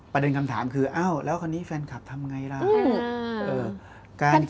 ประเด็นคำถามคืออ้าวแล้วคราวนี้แฟนคลับทำไงล่ะ